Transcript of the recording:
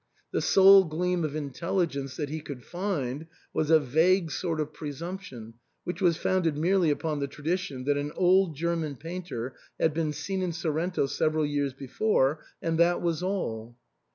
The sole gleam of intelligence that he could find was a vague sort of presumption, which was founded merely upon the tradition that an old German painter had been seen in Sorrento several years before — and that was all.